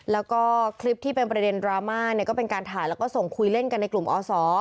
แล้วก็คลิปที่เป็นประเด็นดราม่าเนี่ยก็เป็นการถ่ายแล้วก็ส่งคุยเล่นกันในกลุ่มอศ